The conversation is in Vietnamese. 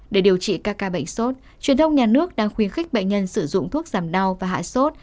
để điều trị các ca bệnh sốt truyền thông nhà nước đang khuyến khích bệnh nhân sử dụng thuốc giảm đau và hạ sốt